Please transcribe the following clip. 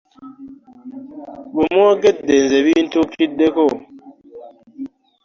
Bwe mwogedde nze bintuukiddeko.